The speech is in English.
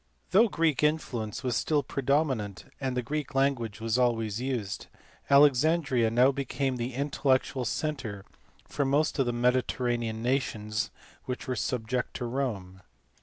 95 Though Greek influence was still predominant and the Greek language always used, Alexandria now became the in tellectual centre for most of the Mediterranean nations which were subject to Rome.